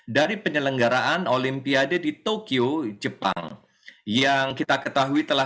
dan kemudian yang kedua